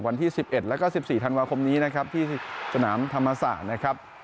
วันที่สิบเอ็ดแล้วก็สิบสี่ธันวาคมนี้นะครับที่สนามธรรมศาสตร์นะครับ